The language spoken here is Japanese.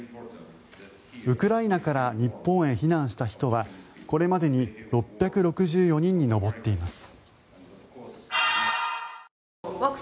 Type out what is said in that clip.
ウクライナから日本へ避難した人はこれまでに６６４人に上っています。